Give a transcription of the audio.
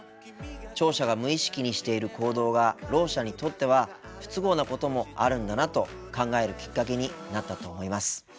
聴者が無意識にしている行動がろう者にとっては不都合なこともあるんだなと考えるきっかけになったと思います。